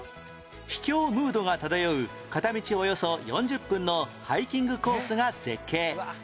秘境ムードが漂う片道およそ４０分のハイキングコースが絶景